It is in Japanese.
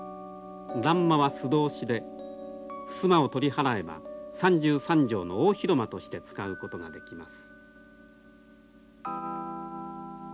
欄間は素通しで襖を取り払えば３３畳の大広間として使うことができます。